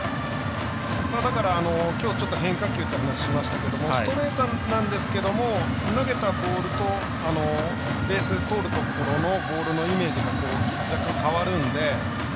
だから、きょう変化球って話しましたがストレートなんですけども投げたボールとベース通るところのボールのイメージが若干、変わるので。